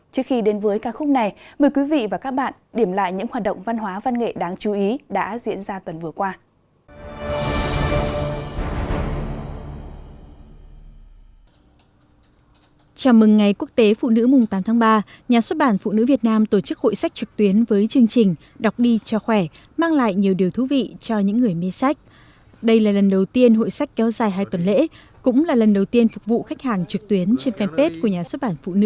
trước khi đến với ca khúc này mời quý vị và các bạn điểm lại những hoạt động văn hóa văn nghệ đáng chú ý đã diễn ra tuần vừa qua